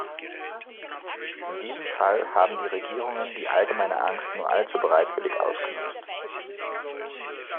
In diesem Fall haben die Regierungen die allgemeine Angst nur allzu bereitwillig ausgenutzt.